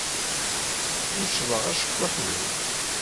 Mecḍeɣ acekkuḥ-iw.